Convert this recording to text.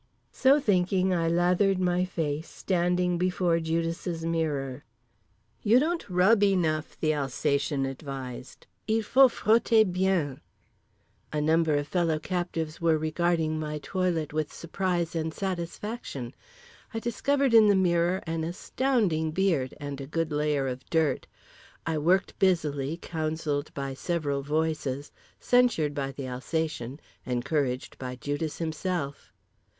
So thinking I lathered my face, standing before Judas' mirror. "You don't rub enough," the Alsatian advised, "il faut frotter bien!" A number of fellow captives were regarding my toilet with surprise and satisfaction. I discovered in the mirror an astounding beard and a good layer of dirt. I worked busily, counselled by several voices, censured by the Alsatian, encouraged by Judas himself.